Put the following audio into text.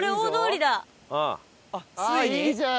ああいいじゃん！